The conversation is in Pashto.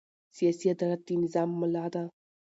سیاسي عدالت د نظام ملا ده